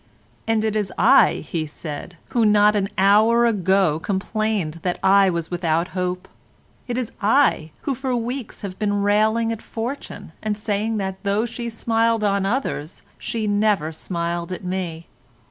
"And it is I," he said, "who not an hour ago complained that I was without hope. It is I, who for weeks have been railing at fortune, and saying that though she smiled on others she never smiled at me.